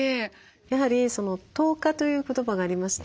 やはり糖化という言葉がありまして。